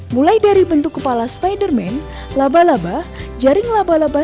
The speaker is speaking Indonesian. mulai dari bentuk kepala spiderman laba laba jaring laba laba